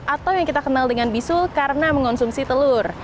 atau yang kita kenal dengan bisul karena mengonsumsi telur